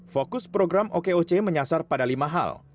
fokus program okoc menyasar pada lima hal